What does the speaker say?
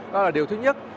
đó là điều thứ nhất